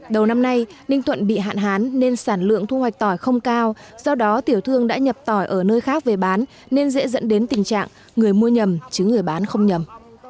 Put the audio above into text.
đầu năm nay ninh thuận bị hạn hán nên sản lượng thu hoạch tỏi không cao do đó tiểu thương đã nhập tỏi ở nơi khác về bán nên dễ dẫn đến tình trạng người mua nhầm chứ người bán không nhầm